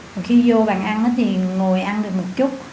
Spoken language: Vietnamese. rồi khi vô bàn ăn thì ngồi ăn được một chút